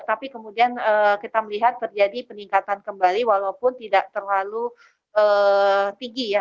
tapi kemudian kita melihat terjadi peningkatan kembali walaupun tidak terlalu tinggi ya